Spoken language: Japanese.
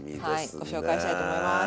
はいご紹介したいと思います。